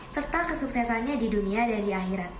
serta kesuksesannya di dunia dan di akhirat